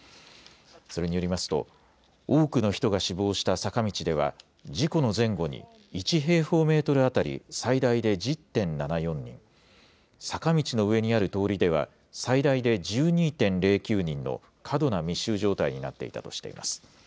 それによりますと、多くの人が死亡した坂道では、事故の前後に、１平方メートル当たり最大で１０．７４人、坂道の上にある通りでは最大で１２．０９人の過度な密集状態になっていたとしています。